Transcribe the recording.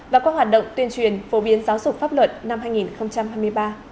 và các hoạt động tuyên truyền phổ biến giáo dục pháp luật năm hai nghìn hai mươi ba